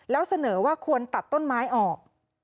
แล้วเสนอว่าควรตัดต้นไม้ออก